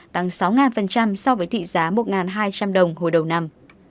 tăng sáu so với thị giá một hai trăm linh đồng hồi đầu năm